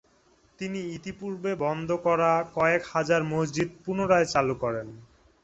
তিনি ইতিপূর্বে বন্ধ করা কয়েক হাজার মসজিদ পুনরায় চালু করেন।